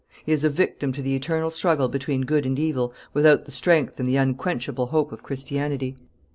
He is a victim to the eternal struggle between good and evil without the strength and the unquenchable hope of Christianity.